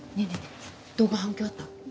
え動画反響あった？